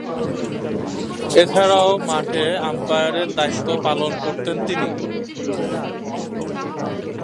এছাড়াও মাঠে আম্পায়ারের দায়িত্ব পালন করতেন তিনি।